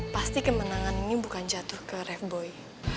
pasti kemenangan ini bukan jatuh ke ref boy